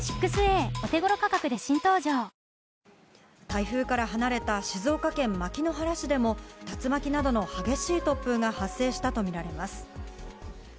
台風から離れた静岡県牧之原市でも、竜巻などの激しい突風が発生したと見られます。